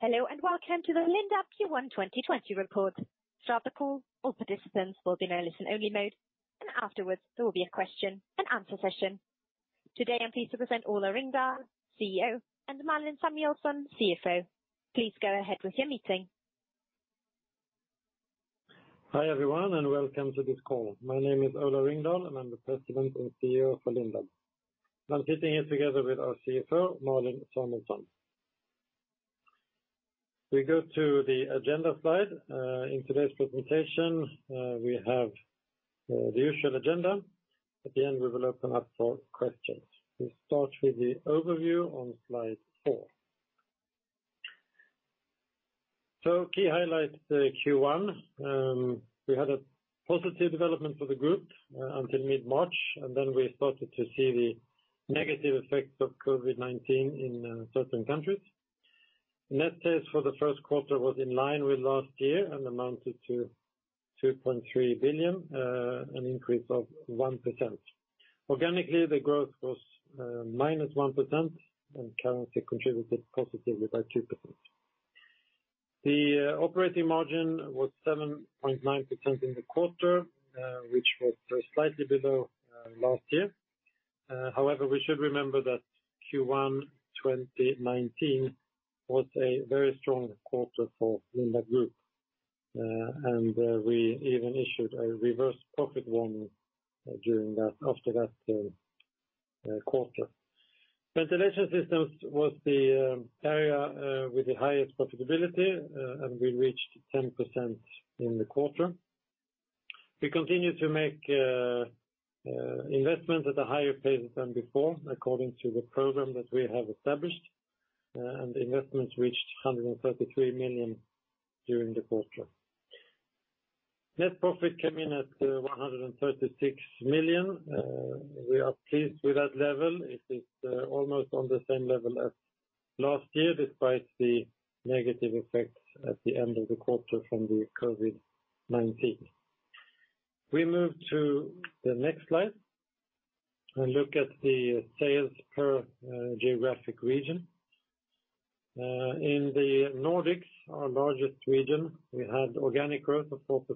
Hello, welcome to the Lindab Q1 2020 Report. Throughout the call, all participants will be in listen only mode. Afterwards, there will be a question-and-answer session. Today, I'm pleased to present Ola Ringdahl, CEO, and Malin Samuelsson, CFO. Please go ahead with your meeting. Hi, everyone, and welcome to this call. My name is Ola Ringdahl, and I'm the President and CEO for Lindab. I'm sitting here together with our CFO, Malin Samuelsson. We go to the agenda slide. In today's presentation, we have the usual agenda. At the end, we will open up for questions. We start with the overview on Slide four. Key highlights for Q1. We had a positive development for the group until mid-March, and then we started to see the negative effects of COVID-19 in certain countries. Net sales for the first quarter was in line with last year and amounted to 2.3 billion, an increase of 1%. Organically, the growth was -1%, and currency contributed positively by 2%. The operating margin was 7.9% in the quarter, which was very slightly below last year. We should remember that Q1 2019 was a very strong quarter for Lindab Group. We even issued a reverse profit warning after that quarter. Ventilation Systems was the area with the highest profitability, and we reached 10% in the quarter. We continue to make investments at a higher pace than before, according to the program that we have established, and investments reached 133 million during the quarter. Net profit came in at 136 million. We are pleased with that level. It is almost on the same level as last year, despite the negative effects at the end of the quarter from the COVID-19. We move to the next slide and look at the sales per geographic region. In the Nordics, our largest region, we had organic growth of 4%.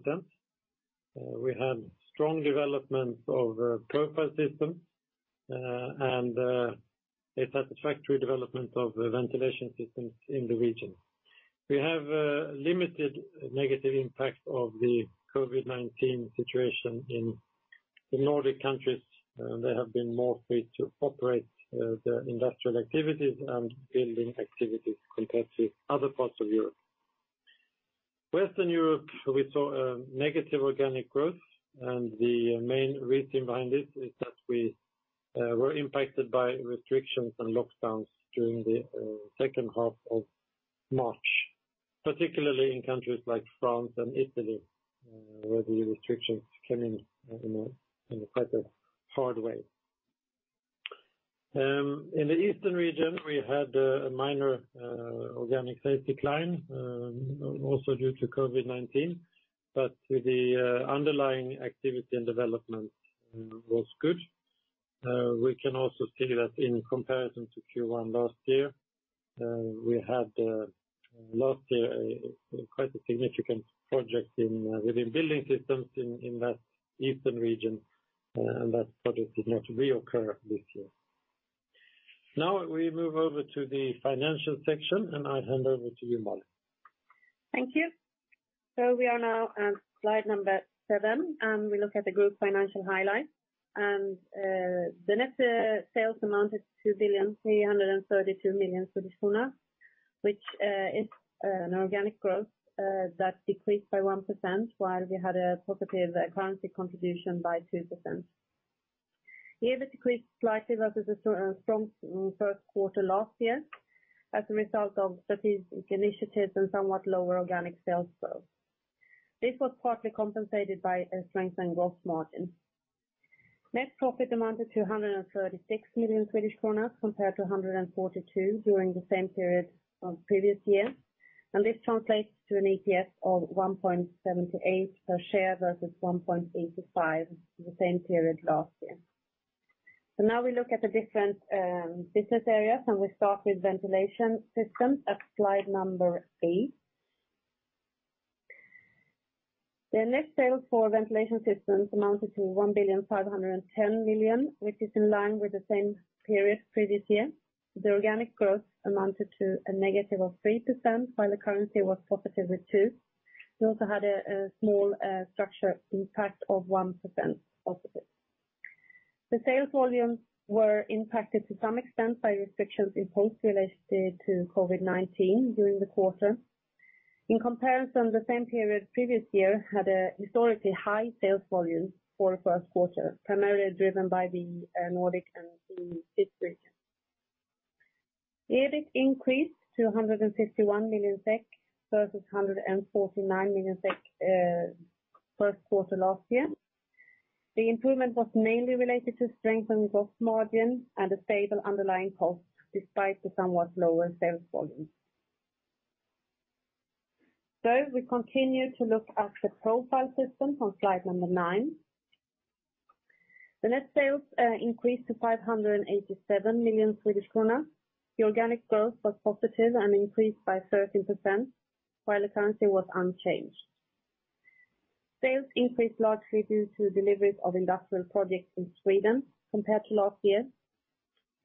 We had strong development of Profile Systems, and a satisfactory development of Ventilation Systems in the region. We have a limited negative impact of the COVID-19 situation in the Nordic countries. They have been more free to operate their industrial activities and building activities compared to other parts of Europe. Western Europe, we saw a negative organic growth, and the main reason behind this is that we were impacted by restrictions and lockdowns during the second half of March, particularly in countries like France and Italy, where the restrictions came in quite a hard way. In the eastern region, we had a minor organic sales decline, also due to COVID-19, but the underlying activity and development was good. We can also see that in comparison to Q1 last year, we had last year quite a significant project within Building Systems in that eastern region, and that project did not reoccur this year. Now we move over to the financial section, and I hand over to you, Malin. Thank you. We are now on Slide number seven, and we look at the group financial highlights. The net sales amounted to 2,232,000,000 which is an organic growth that decreased by 1%, while we had a positive currency contribution by 2%. EBIT decreased slightly versus a strong first quarter last year as a result of strategic initiatives and somewhat lower organic sales growth. This was partly compensated by a strengthened gross margin. Net profit amounted to 136 million Swedish kronor compared to 142 million during the same period of previous year, and this translates to an EPS of 1.78 per share versus 1.85 the same period last year. Now we look at the different business areas, and we start with Ventilation Systems at Slide number eight. The net sales for Ventilation Systems amounted to 1,510,000,000, which is in line with the same period previous year. The organic growth amounted to a negative of 3%, while the currency was positive at 2%. We also had a small structure impact of 1%+. The sales volumes were impacted to some extent by restrictions imposed related to COVID-19 during the quarter. In comparison, the same period previous year had a historically high sales volume for a first quarter, primarily driven by the Nordic and the Swiss region. EBIT increased to 151 million SEK versus 149 million SEK first quarter last year. The improvement was mainly related to strengthened gross margin and a stable underlying cost despite the somewhat lower sales volume. We continue to look at the Profile Systems on Slide number nine. The net sales increased to 587 million Swedish krona. The organic growth was positive and increased by 13%, while the currency was unchanged. Sales increased largely due to deliveries of industrial projects in Sweden compared to last year.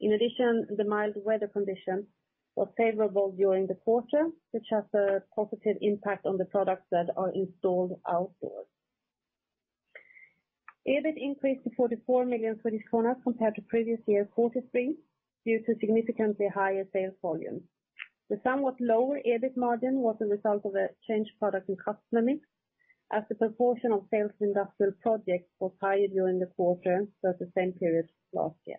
In addition, the mild weather condition was favorable during the quarter, which has a positive impact on the products that are installed outdoors. EBIT increased to 44 million Swedish kronor compared to previous year 43 million, due to significantly higher sales volume. The somewhat lower EBIT margin was a result of a changed product and customer mix, as the proportion of sales industrial projects was higher during the quarter for the same period last year.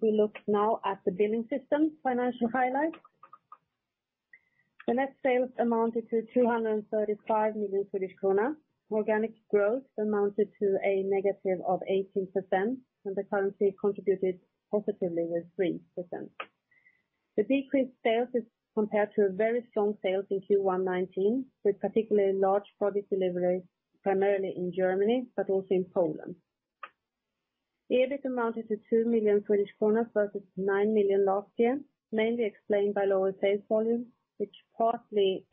We look now at the Building Systems financial highlights. The net sales amounted to 235 million Swedish kronor. Organic growth amounted to a negative of 18%, and the currency contributed positively with 3%. The decreased sales is compared to very strong sales in Q1 2019, with particularly large product deliveries, primarily in Germany, but also in Poland. EBIT amounted to 2 million Swedish kronor versus 9 million last year, mainly explained by lower sales volume, which partly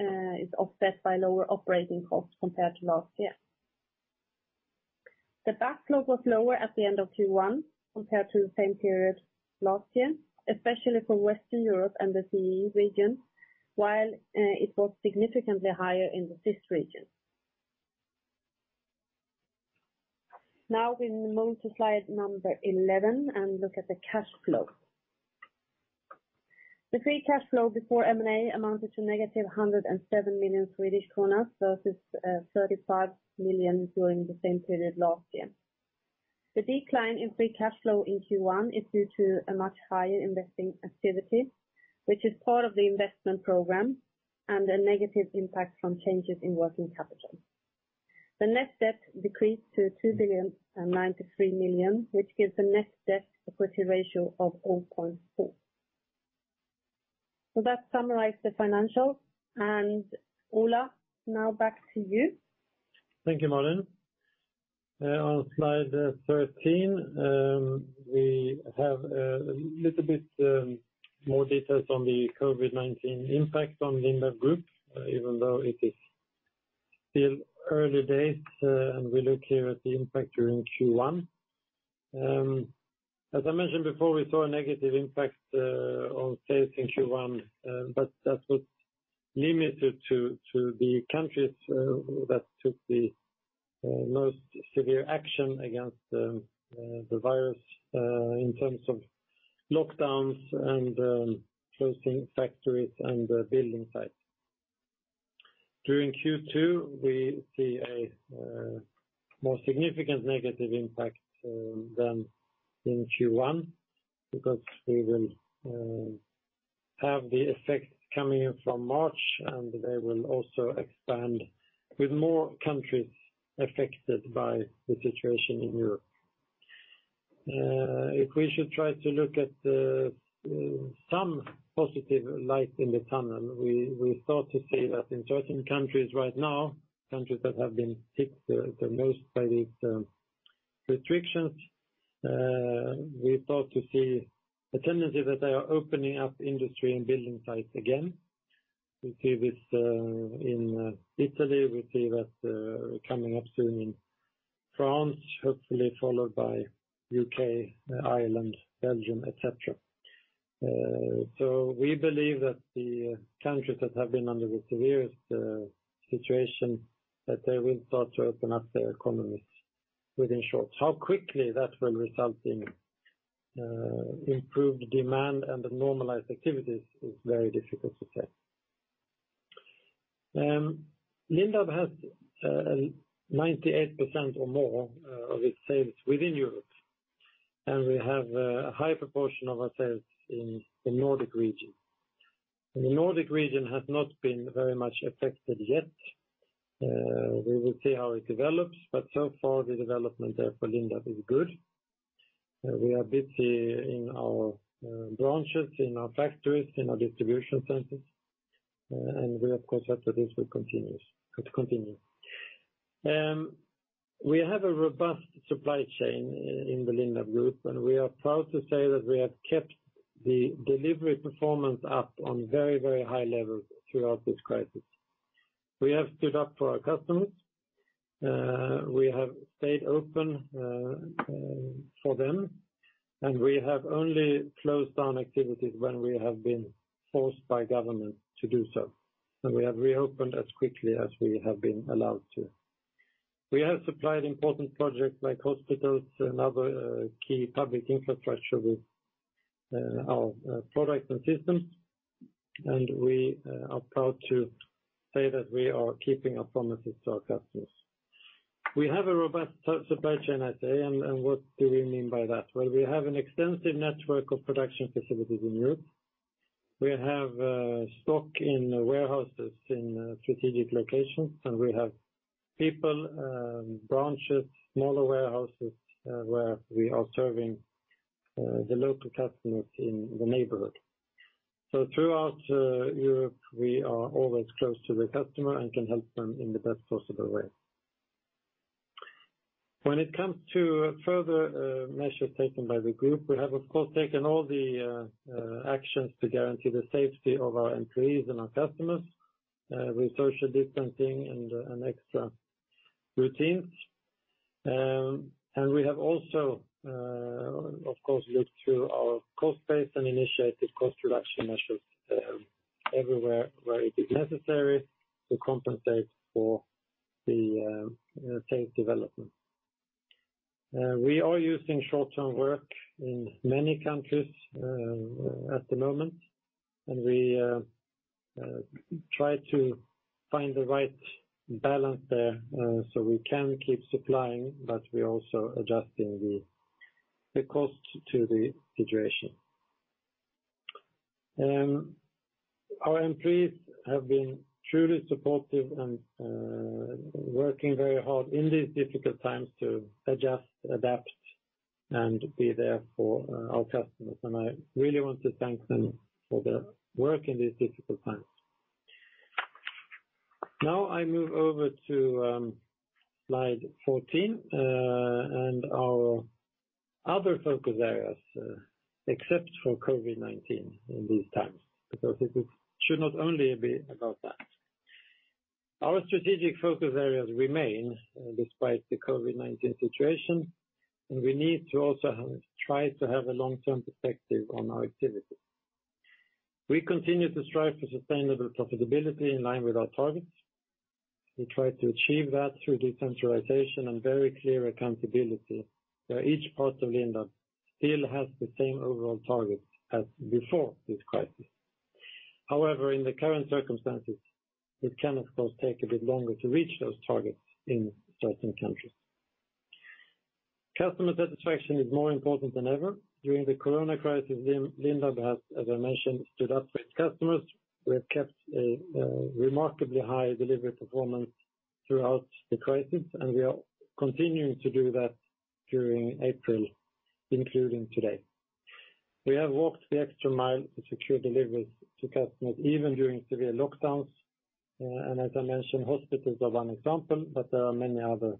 is offset by lower operating costs compared to last year. The backlog was lower at the end of Q1 compared to the same period last year, especially for Western Europe and the CEE region, while it was significantly higher in the CIS region. Now we move to Slide number 11 and look at the cash flow. The free cash flow before M&A amounted to -107 million Swedish kronor versus 35 million during the same period last year. The decline in free cash flow in Q1 is due to a much higher investing activity, which is part of the investment program, and a negative impact from changes in working capital. The net debt decreased to 2,093,000,000, which gives a net debt equity ratio of 0.4. That summarize the financials. Ola, now back to you. Thank you, Malin. On Slide 13, we have a little bit more details on the COVID-19 impact on Lindab Group, even though it is still early days, we look here at the impact during Q1. As I mentioned before, we saw a negative impact on sales in Q1, that was limited to the countries that took the most severe action against the virus, in terms of lockdowns and closing factories and building sites. During Q2, we see a more significant negative impact than in Q1 because we will have the effects coming in from March, they will also expand with more countries affected by the situation in Europe. If we should try to look at some positive light in the tunnel, we start to see that in certain countries right now, countries that have been hit the most by these restrictions, we start to see a tendency that they are opening up industry and building sites again. We see this in Italy, we see that coming up soon in France, hopefully followed by U.K., Ireland, Belgium, etc. We believe that the countries that have been under the severest situation, that they will start to open up their economies within short. How quickly that will result in improved demand and normalized activities is very difficult to say. Lindab has 98% or more of its sales within Europe, and we have a high proportion of our sales in the Nordic region. The Nordic region has not been very much affected yet. We will see how it develops, but so far the development there for Lindab is good. We are busy in our branches, in our factories, in our distribution centers, and we of course hope that this will continue. We have a robust supply chain in the Lindab Group, and we are proud to say that we have kept the delivery performance up on very high levels throughout this crisis. We have stood up for our customers. We have stayed open for them, and we have only closed down activities when we have been forced by government to do so, and we have reopened as quickly as we have been allowed to. We have supplied important projects like hospitals and other key public infrastructure with our products and systems, and we are proud to say that we are keeping our promises to our customers. We have a robust supply chain, I say. What do we mean by that? Well, we have an extensive network of production facilities in Europe. We have stock in warehouses in strategic locations, and we have people, branches, smaller warehouses, where we are serving the local customers in the neighborhood. Throughout Europe we are always close to the customer and can help them in the best possible way. When it comes to further measures taken by the group, we have, of course, taken all the actions to guarantee the safety of our employees and our customers with social distancing and extra routines. We have also, of course, looked through our cost base and initiated cost reduction measures everywhere where it is necessary to compensate for the sales development. We are using short-term work in many countries at the moment. We try to find the right balance there so we can keep supplying. We're also adjusting the cost to the situation. Our employees have been truly supportive and working very hard in these difficult times to adjust, adapt, and be there for our customers. I really want to thank them for their work in these difficult times. Now I move over to Slide 14. Our other focus areas except for COVID-19 in these times because it should not only be about that. Our strategic focus areas remain despite the COVID-19 situation. We need to also try to have a long-term perspective on our activities. We continue to strive for sustainable profitability in line with our targets. We try to achieve that through decentralization and very clear accountability where each part of Lindab still has the same overall targets as before this crisis. In the current circumstances, it can of course take a bit longer to reach those targets in certain countries. Customer satisfaction is more important than ever during the Corona crisis. Lindab has, as I mentioned, stood up with customers. We have kept a remarkably high delivery performance throughout the crisis, and we are continuing to do that during April, including today. We have walked the extra mile to secure deliveries to customers even during severe lockdowns. As I mentioned, hospitals are one example, but there are many other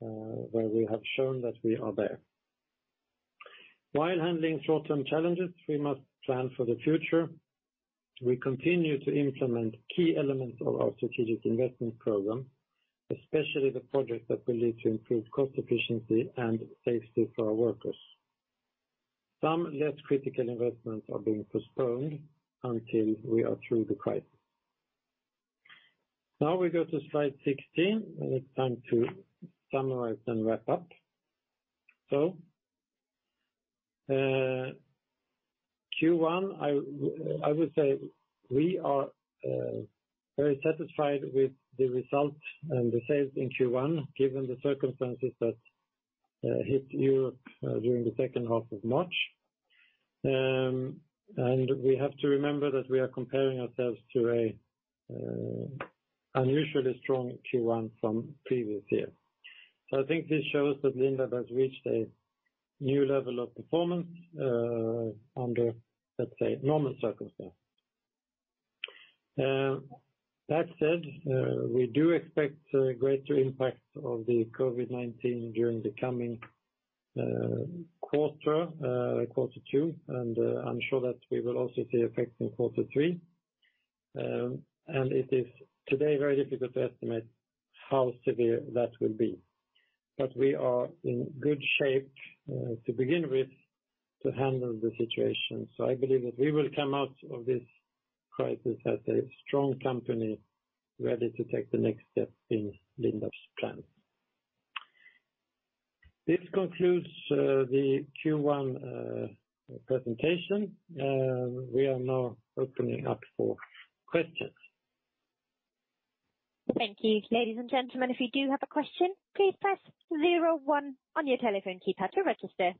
where we have shown that we are there. While handling short-term challenges, we must plan for the future. We continue to implement key elements of our strategic investment program, especially the projects that will lead to improved cost efficiency and safety for our workers. Some less critical investments are being postponed until we are through the crisis. We go to Slide 16, and it's time to summarize and wrap up. Q1, I would say we are very satisfied with the results and the sales in Q1 given the circumstances that hit Europe during the second half of March. We have to remember that we are comparing ourselves to an unusually strong Q1 from previous year. I think this shows that Lindab has reached a new level of performance under, let's say, normal circumstances. That said, we do expect greater impact of the COVID-19 during the coming quarter two, and I'm sure that we will also see effects in quarter three. It is today very difficult to estimate how severe that will be. We are in good shape to begin with to handle the situation. I believe that we will come out of this crisis as a strong company ready to take the next step in Lindab's plans. This concludes the Q1 presentation. We are now opening up for questions. Thank you. Ladies and gentlemen, if you do have a question, please press zero one on your telephone keypad to register.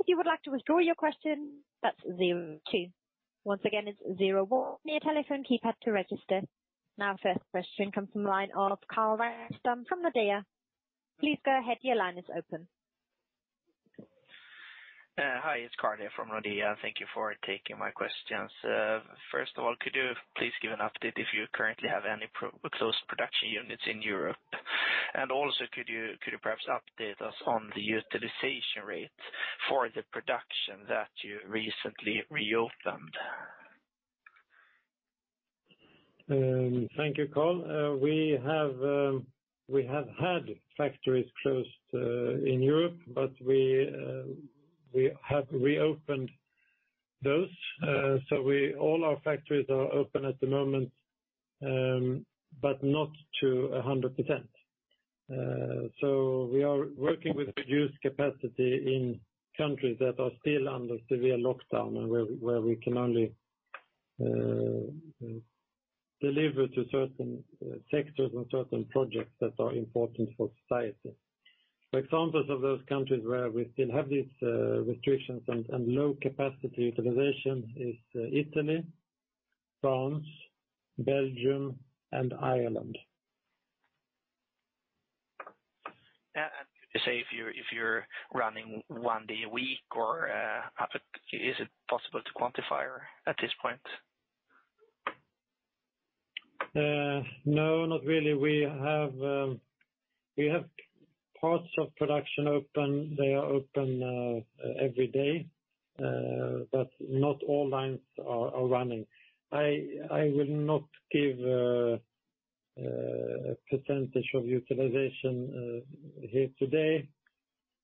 If you would like to withdraw your question, that's zero two. Once again, it's zero one on your telephone keypad to register. First question comes from line of Carl Ragnerstam from Nordea. Please go ahead. Your line is open. Hi, it's Carl here from Nordea. Thank you for taking my questions. First of all, could you please give an update if you currently have any closed production units in Europe? Also could you perhaps update us on the utilization rate for the production that you recently reopened? Thank you, Carl. We have had factories closed in Europe, but we have reopened those. All our factories are open at the moment, but not to 100%. We are working with reduced capacity in countries that are still under severe lockdown and where we can only deliver to certain sectors and certain projects that are important for society. Examples of those countries where we still have these restrictions and low capacity utilization is Italy, France, Belgium, and Ireland. If you're running one day a week, is it possible to quantify at this point? No, not really. We have parts of production open. They are open every day but not all lines are running. I will not give a percentage of utilization here today.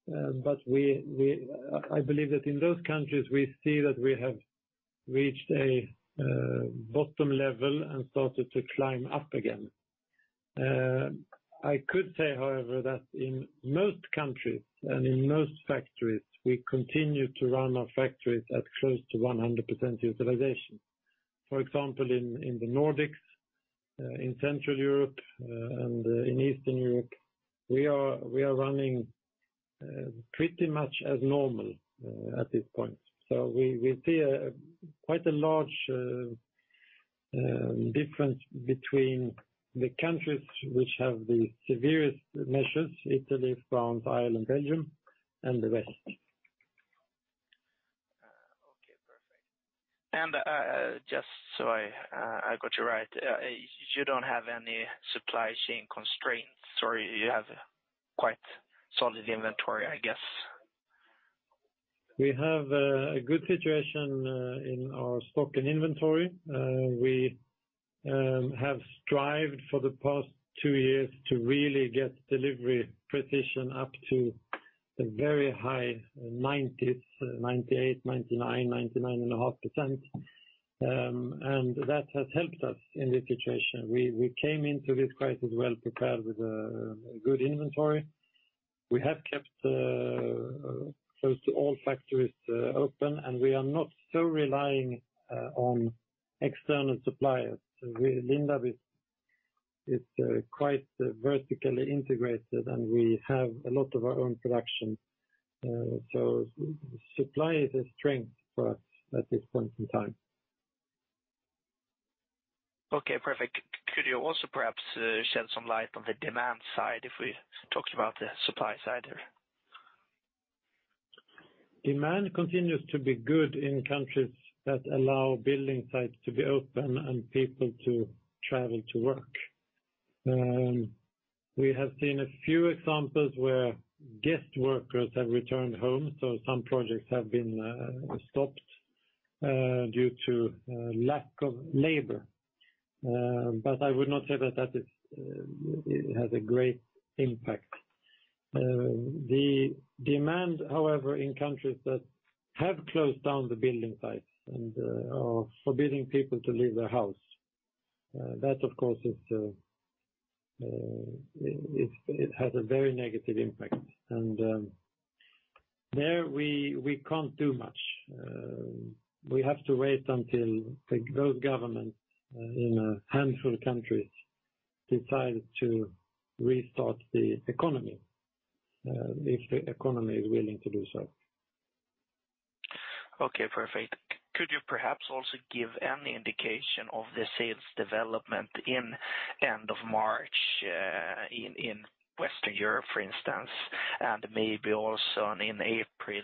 I believe that in those countries, we see that we have reached a bottom level and started to climb up again. I could say, however, that in most countries and in most factories, we continue to run our factories at close to 100% utilization. For example, in the Nordics, in Central Europe, and in Eastern Europe, we are running pretty much as normal at this point. We will see quite a large difference between the countries which have the severest measures, Italy, France, Ireland, Belgium, and the rest. Okay, perfect. Just so I got you right, you don't have any supply chain constraints, or you have quite solid inventory, I guess? We have a good situation in our stock and inventory. We have strived for the past two years to really get delivery precision up to the very high 90s, 98%, 99%, 99.5%. That has helped us in this situation. We came into this crisis well prepared with a good inventory. We have kept close to all factories open, and we are not so relying on external suppliers. Lindab is quite vertically integrated, and we have a lot of our own production. Supply is a strength for us at this point in time. Okay, perfect. Could you also perhaps shed some light on the demand side if we talked about the supply side there? Demand continues to be good in countries that allow building sites to be open and people to travel to work. We have seen a few examples where guest workers have returned home, so some projects have been stopped due to lack of labor. I would not say that it has a great impact. The demand, however, in countries that have closed down the building sites and are forbidding people to leave their house. That, of course, it has a very negative impact. There we can't do much. We have to wait until those governments in a handful of countries decide to restart the economy if the economy is willing to do so. Okay, perfect. Could you perhaps also give any indication of the sales development in end of March in Western Europe, for instance, and maybe also in April?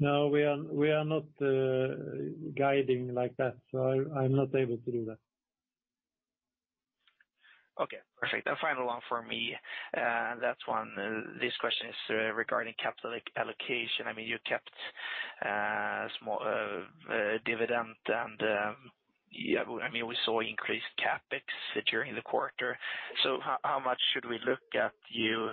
No, we are not guiding like that, so I'm not able to do that. Okay, perfect. A final one for me. This question is regarding capital allocation. You kept a small dividend, and we saw increased CapEx during the quarter. How much should we look at you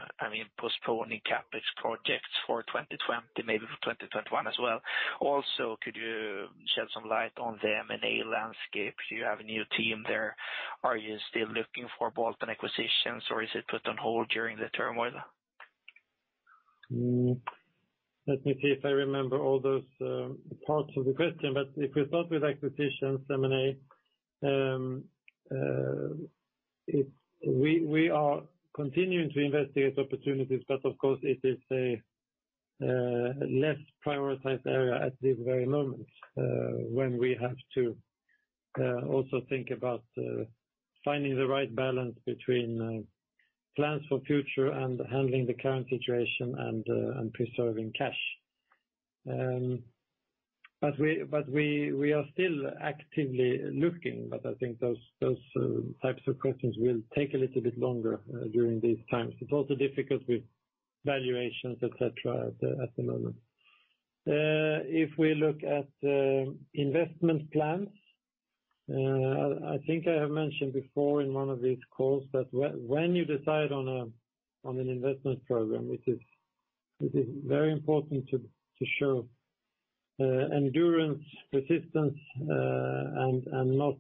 postponing CapEx projects for 2020, maybe for 2021 as well? Also, could you shed some light on the M&A landscape? You have a new team there. Are you still looking for bolt-on acquisitions, or is it put on hold during the turmoil? Let me see if I remember all those parts of the question. If we start with acquisitions, M&A, we are continuing to investigate opportunities, but of course, it is a less prioritized area at this very moment when we have to also think about finding the right balance between plans for future and handling the current situation and preserving cash. We are still actively looking, but I think those types of questions will take a little bit longer during these times. It's also difficult with valuations, etc, at the moment. If we look at investment plans, I think I have mentioned before in one of these calls that when you decide on an investment program, it is very important to show endurance, resistance, and not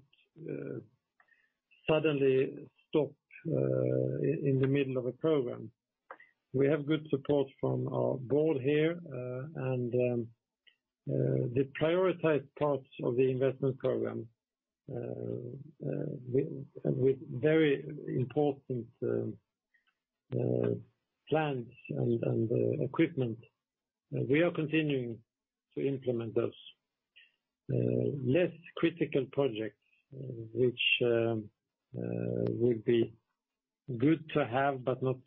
suddenly stop in the middle of a program. We have good support from our board here. The prioritized parts of the investment program with very important plans and equipment, we are continuing to implement those. Less critical projects which will be good to have, but not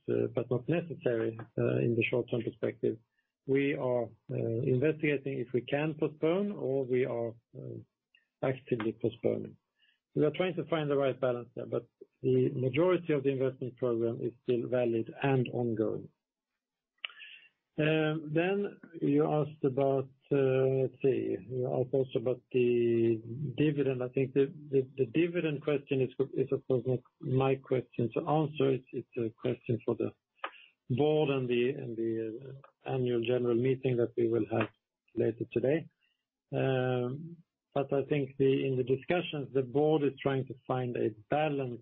necessary in the short-term perspective. We are investigating if we can postpone, or we are actively postponing. We are trying to find the right balance there. The majority of the investment program is still valid and ongoing. You asked also about the dividend. I think the dividend question is, of course, not my question to answer. It's a question for the Board and the Annual General Meeting that we will have later today. I think in the discussions, the Board is trying to find a balance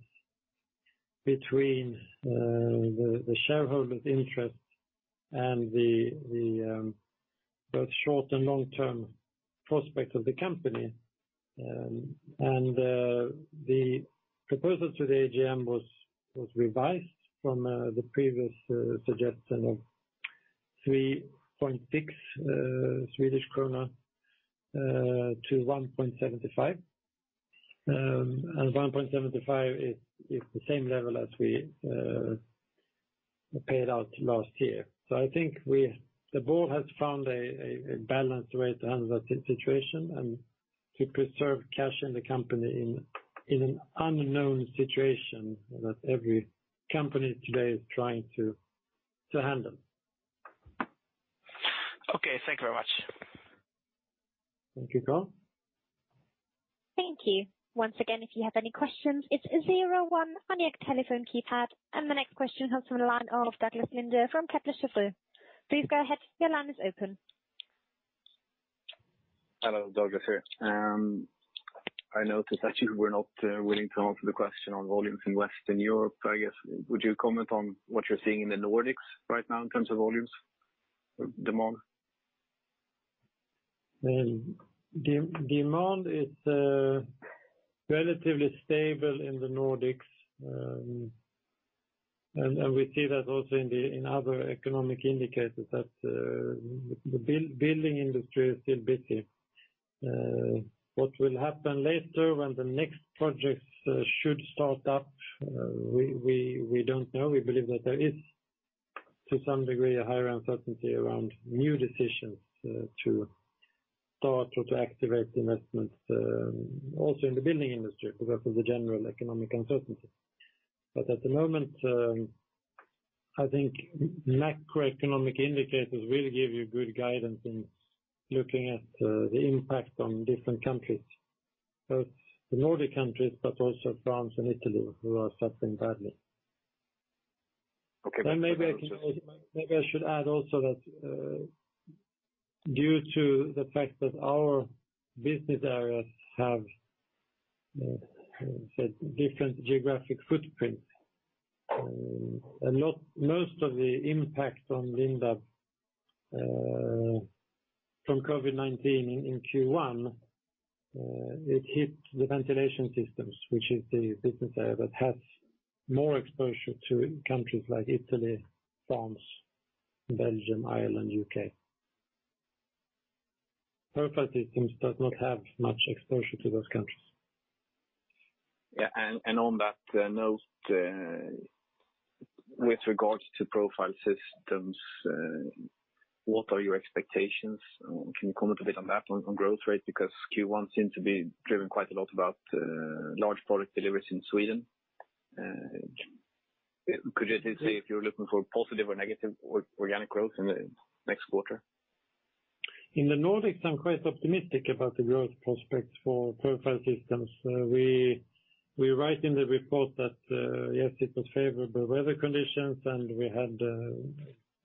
between the shareholders' interest and both short- and long-term prospects of the company. The proposal to the AGM was revised from the previous suggestion of 3.6-1.75 Swedish krona. 1.75 is the same level as we paid out last year. I think the board has found a balanced way to handle that situation and to preserve cash in the company in an unknown situation that every company today is trying to handle. Okay. Thank you very much. Thank you, Carl. Thank you. Once again, if you have any questions, it's zero one on your telephone keypad. The next question comes from the line of Douglas Lindahl from Kepler Cheuvreux. Please go ahead, your line is open. Hello, Douglas here. I noticed that you were not willing to answer the question on volumes in Western Europe, I guess. Would you comment on what you're seeing in the Nordics right now in terms of volumes, demand? Demand is relatively stable in the Nordics. We see that also in other economic indicators that the building industry is still busy. What will happen later when the next projects should start up, we don't know. We believe that there is, to some degree, a higher uncertainty around new decisions to start or to activate investments, also in the building industry because of the general economic uncertainty. At the moment, I think macroeconomic indicators really give you good guidance in looking at the impact on different countries, both the Nordic countries, also France and Italy, who are suffering badly. Okay. Maybe I should add also that due to the fact that our business areas have different geographic footprints, most of the impact on Lindab from COVID-19 in Q1 it hit the Ventilation Systems, which is the business area that has more exposure to countries like Italy, France, Belgium, Ireland, U.K. Profile Systems does not have much exposure to those countries. On that note, with regards to Profile Systems, what are your expectations? Can you comment a bit on that, on growth rate? Q1 seems to be driven quite a lot about large product deliveries in Sweden. Could you say if you're looking for positive or negative organic growth in the next quarter? In the Nordics, I'm quite optimistic about the growth prospects for Profile Systems. We write in the report that yes, it was favorable weather conditions, and we had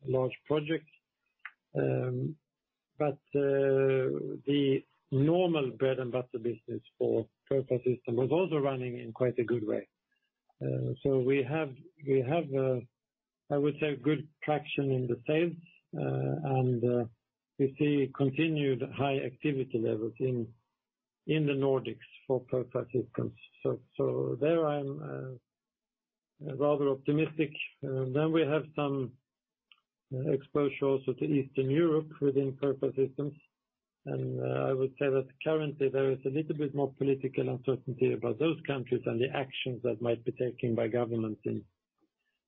large projects. The normal bread-and-butter business for Profile Systems was also running in quite a good way. We have, I would say, good traction in the sales, and we see continued high activity levels in the Nordics for Profile Systems. There I am rather optimistic. We have some exposure also to Eastern Europe within Profile Systems, and I would say that currently there is a little bit more political uncertainty about those countries and the actions that might be taken by governments in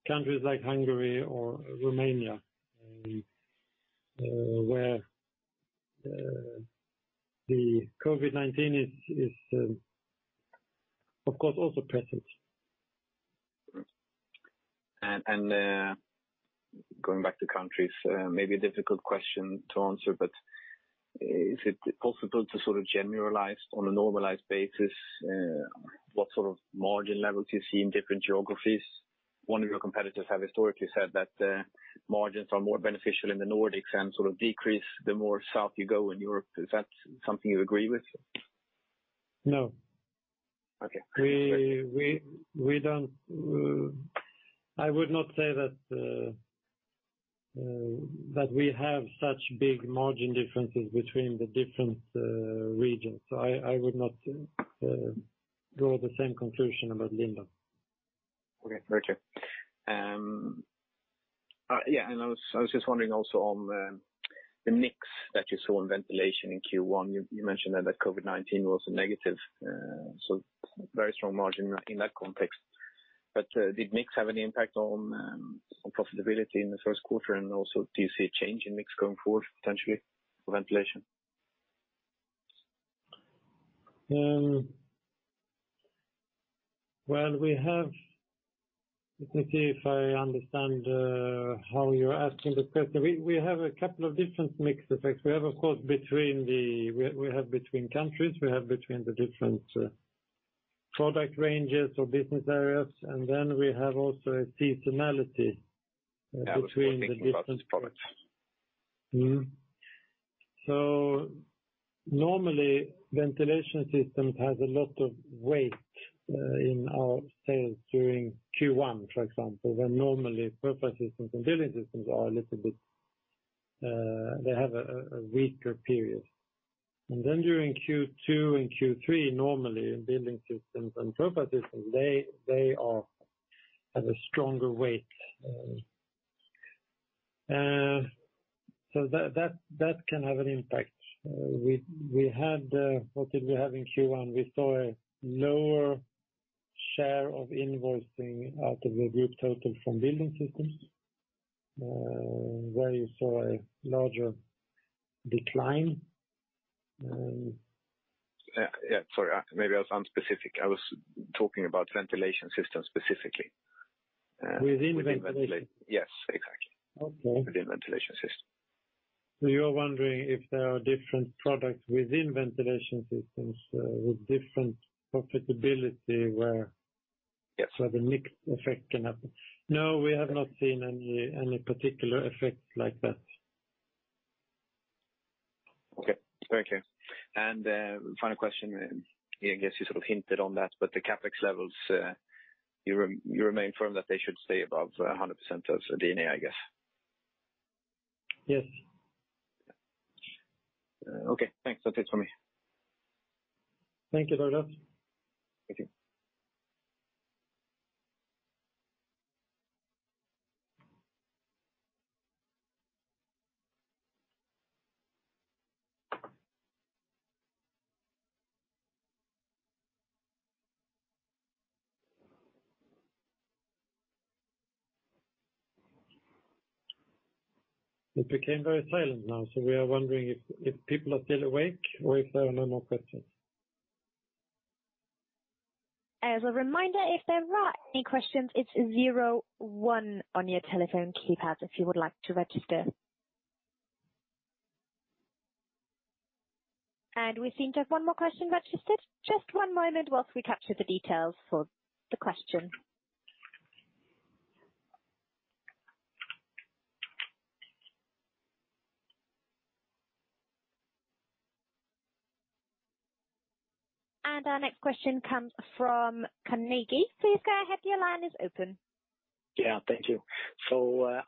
countries like Hungary or Romania, where the COVID-19 is, of course, also present. Going back to countries, maybe a difficult question to answer, but is it possible to generalize on a normalized basis what sort of margin levels you see in different geographies? One of your competitors have historically said that margins are more beneficial in the Nordics and sort of decrease the more south you go in Europe. Is that something you agree with? No. Okay. I would not say that we have such big margin differences between the different regions. I would not draw the same conclusion about Lindab. Okay, [got you]. Yeah, I was just wondering also on the mix that you saw in Ventilation in Q1. You mentioned that COVID-19 was a negative, very strong margin in that context. Did mix have any impact on profitability in the first quarter? Also, do you see a change in mix going forward, potentially, for Ventilation? Well, let me see if I understand how you're asking the question. We have a couple of different mix effects. We have between countries, we have between the different product ranges or business areas, and then we have also a seasonality between the different. I was more thinking about the products. Normally, Ventilation Systems have a lot of weight in our sales during Q1, for example, when normally Profile Systems and Building Systems have a weaker period. During Q2 and Q3, normally, Building Systems and Profile Systems have a stronger weight. That can have an impact. What did we have in Q1? We saw a lower share of invoicing out of the group total from Building Systems, where you saw a larger decline. Sorry, maybe I was unspecific. I was talking about Ventilation Systems specifically. Within Ventilation? Yes, exactly. Okay. Within Ventilation Systems. You're wondering if there are different products within Ventilation Systems with different profitability. Yes The mix effect can happen. No, we have not seen any particular effect like that. Okay. Thank you. Final question, I guess you sort of hinted on that, the CapEx levels, you remain firm that they should stay above 100% of D&A, I guess? Yes. Okay, thanks. That's it for me. Thank you, Douglas. Thank you. It became very silent now, so we are wondering if people are still awake or if there are no more questions. As a reminder, if there are any questions, it's zero one on your telephone keypad, if you would like to register. We seem to have one more question registered. Just one moment whilst we capture the details for the question. Our next question comes from Carnegie. Please go ahead, your line is open. Yeah, thank you. I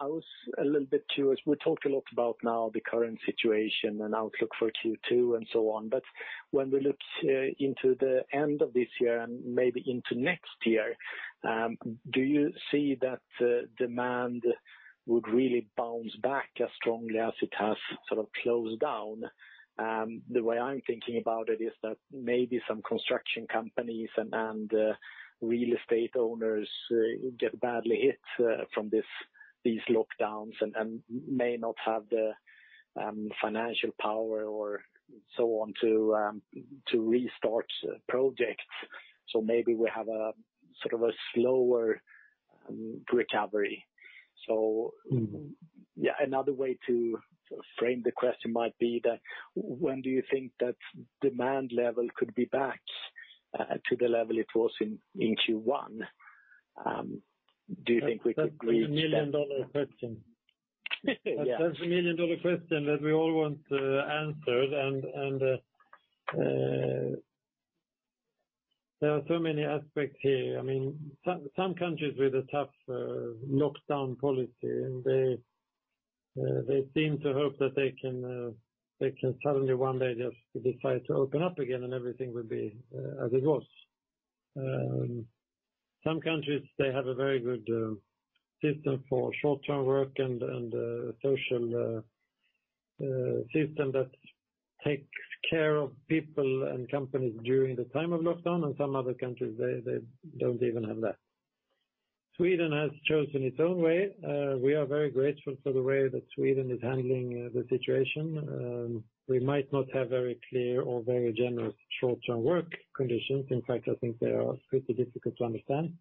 was a little bit curious. We talked a lot about now the current situation and outlook for Q2 and so on. When we look into the end of this year and maybe into next year, do you see that demand would really bounce back as strongly as it has sort of closed down? The way I'm thinking about it is that maybe some construction companies and real estate owners get badly hit from these lockdowns and may not have the financial power or so on to restart projects. Maybe we have a sort of a slower recovery. Another way to frame the question might be that when do you think that demand level could be back to the level it was in Q1? Do you think we could- That's the million-dollar question. Yeah. That's the million-dollar question that we all want answered, and there are so many aspects here. Some countries with a tough lockdown policy, and they seem to hope that they can suddenly one day just decide to open up again and everything will be as it was. Some countries, they have a very good system for short-term work and a social system that takes care of people and companies during the time of lockdown, and some other countries, they don't even have that. Sweden has chosen its own way. We are very grateful for the way that Sweden is handling the situation. We might not have very clear or very generous short-term work conditions. In fact, I think they are pretty difficult to understand.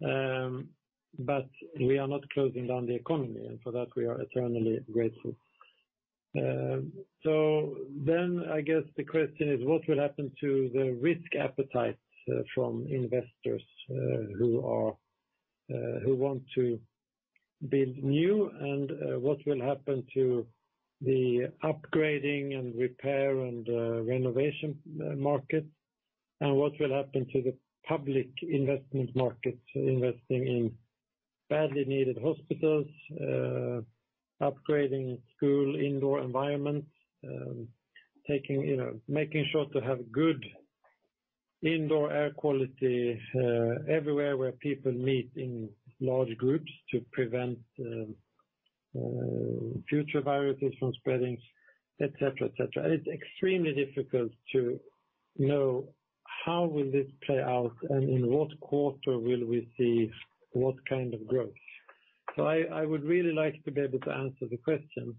We are not closing down the economy, and for that, we are eternally grateful. I guess the question is what will happen to the risk appetite from investors who want to build new, and what will happen to the upgrading and repair and renovation market, and what will happen to the public investment market, investing in badly needed hospitals, upgrading school indoor environments making sure to have good indoor air quality everywhere where people meet in large groups to prevent future viruses from spreading, etc. It's extremely difficult to know how will this play out and in what quarter will we see what kind of growth. I would really like to be able to answer the question,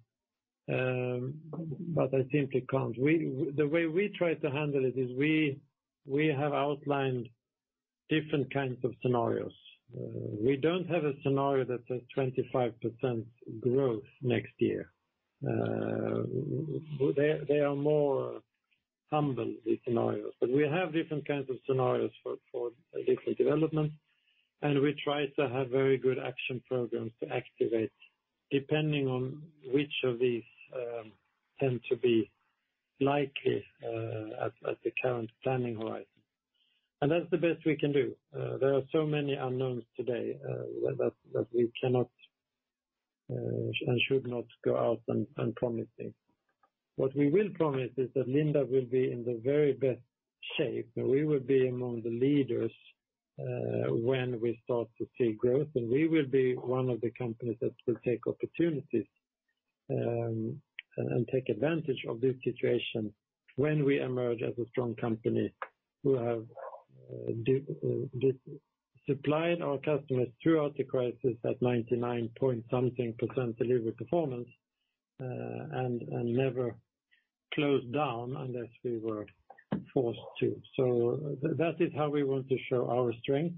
but I simply can't. The way we try to handle it is we have outlined different kinds of scenarios. We don't have a scenario that says 25% growth next year. They are more humble, the scenarios. We have different kinds of scenarios for different developments, and we try to have very good action programs to activate depending on which of these tend to be likely at the current planning horizon. That's the best we can do. There are so many unknowns today that we cannot and should not go out and promise things. What we will promise is that Lindab will be in the very best shape, and we will be among the leaders when we start to see growth, and we will be one of the companies that will take opportunities and take advantage of this situation when we emerge as a strong company who have supplied our customers throughout the crisis at 99.something% delivery performance, and never closed down unless we were forced to. That is how we want to show our strength,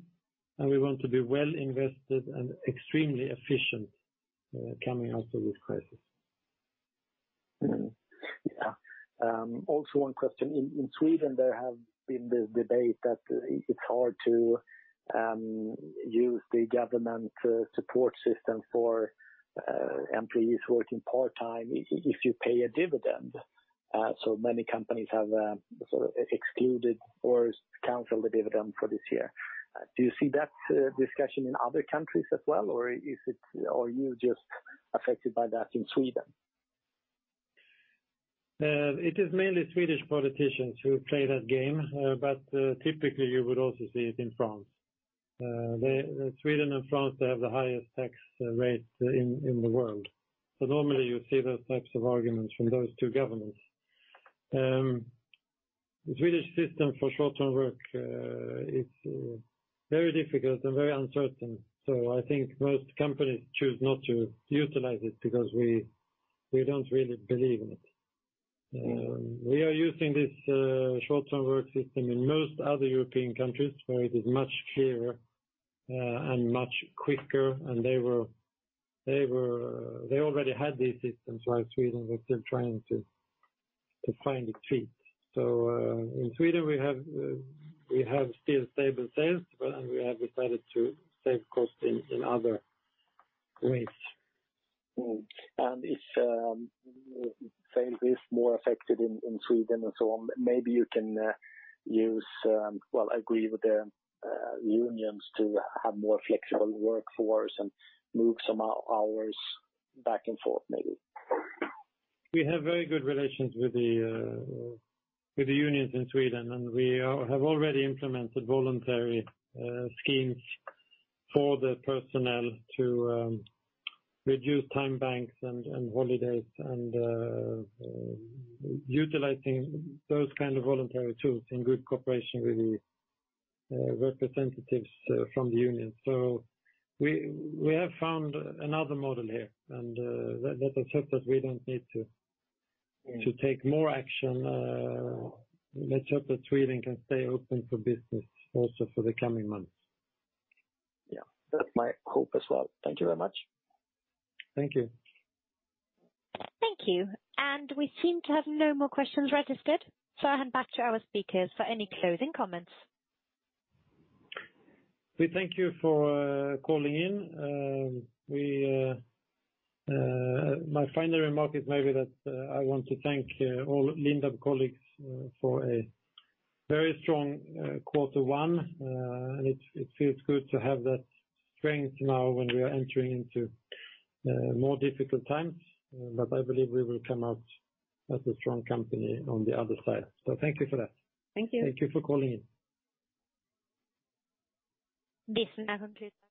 and we want to be well invested and extremely efficient coming out of this crisis. Yeah. Also one question. In Sweden, there has been this debate that it's hard to use the government support system for employees working part-time if you pay a dividend. Many companies have sort of excluded or canceled the dividend for this year. Do you see that discussion in other countries as well, or are you just affected by that in Sweden? It is mainly Swedish politicians who play that game. Typically you would also see it in France. Sweden and France, they have the highest tax rates in the world. Normally you see those types of arguments from those two governments. The Swedish system for short-term work, it's very difficult and very uncertain. I think most companies choose not to utilize it because we don't really believe in it. We are using this short-term work system in most other European countries where it is much clearer and much quicker, and they already had these systems while Sweden was still trying to find its feet. In Sweden, we have still stable sales, and we have decided to save cost in other ways. If sales is more affected in Sweden and so on, maybe you can use, well, agree with the unions to have more flexible workforce and move some hours back and forth, maybe. We have very good relations with the unions in Sweden, and we have already implemented voluntary schemes for the personnel to reduce time banks and holidays, and utilizing those kind of voluntary tools in good cooperation with the representatives from the union. We have found another model here, and let us hope that we don't need to take more action. Let's hope that Sweden can stay open for business also for the coming months. Yeah. That's my hope as well. Thank you very much. Thank you. Thank you. We seem to have no more questions registered, so I hand back to our speakers for any closing comments. We thank you for calling in. My final remark is maybe that I want to thank all Lindab colleagues for a very strong quarter one. It feels good to have that strength now when we are entering into more difficult times. I believe we will come out as a strong company on the other side. Thank you for that. Thank you. Thank you for calling in. This now concludes.